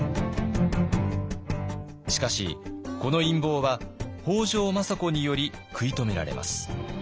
しかしこの陰謀は北条政子により食い止められます。